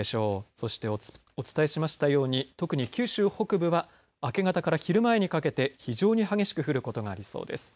そして、お伝えしましたように特に九州北部は明け方から昼前にかけて非常に激しく降ることがありそうです。